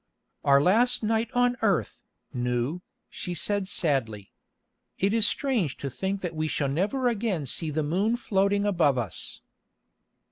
"Our last night on earth, Nou," she said sadly. "It is strange to think that we shall never again see the moon floating above us."